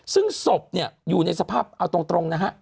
ซึ่งศพเนี่ยอยู่ในสภาพเอาตรงนะฮะ